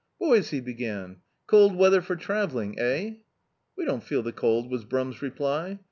"Boys," he began, "cold weather for travelling, eh?" '"We don't feel the cold," was Brum's reply.